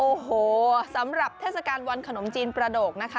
โอ้โหสำหรับเทศกาลวันขนมจีนประโดกนะคะ